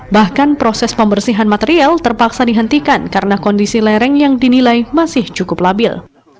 bahkan proses pembersihan material terpaksa dihentikan karena kondisi lereng yang dinilai masih cukup labil